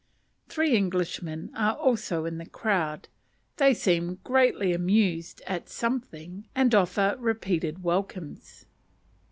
Three Englishmen are also in the crowd; they seem greatly amused at something, and offer repeated welcomes.